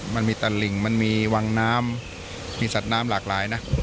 มันมีตลิ่งมันมีวังน้ำมีสัตว์น้ำหลากหลายนะ